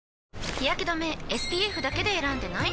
日やけ止めＳＰＦだけで選んでない？